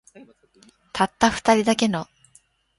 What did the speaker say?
たった二人だけの